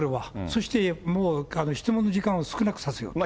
そしてもう質問の時間を少なくさせようと。